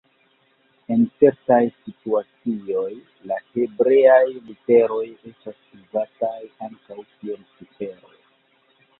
En certaj situacioj la hebreaj literoj estas uzataj ankaŭ kiel ciferoj.